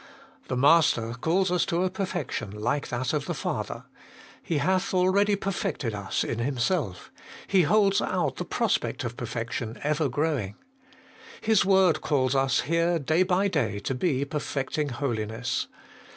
The Master calls us to a perfection like that of the Father : He hath already perfected us in Himself : He holds out the prospect of perfection ever growing. His word calls us here day by day to be perfecting holiness.